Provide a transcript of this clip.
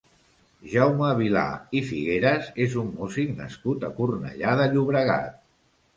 Jaume Vilà i Figueras és un músic nascut a Cornellà de Llobregat.